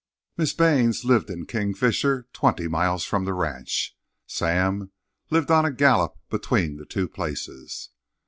Miss Baynes lived in Kingfisher, twenty miles from the ranch. Sam lived on a gallop between the two places.